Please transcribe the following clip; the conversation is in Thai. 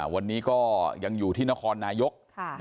วันนี้ก็ยังอยู่ที่นครนายก